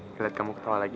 ngeliat kamu ketawa lagi